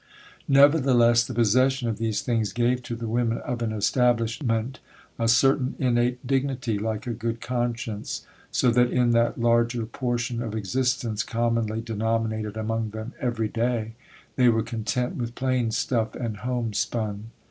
Nevertheless, the possession of these things gave to the women of an establishment a certain innate dignity, like a good conscience, so that in that larger portion of existence commonly denominated among them 'every day,' they were content with plain stuff and homespun.